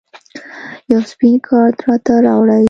یو سپین کارت راته راوړئ